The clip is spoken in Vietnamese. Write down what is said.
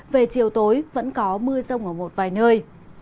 về chiều tối vẫn có mưa rông ở một vài nơi